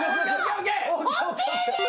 ＯＫです！